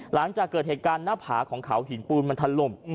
หลังจากเกิดเหตุการณ์หน้าผาของเขาหินปูนมันถล่ม